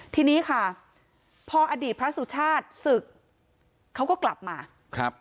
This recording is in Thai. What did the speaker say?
ทีนี้ค่ะพออดีตพระสุชาติศึกเขาก็กลับมาครับ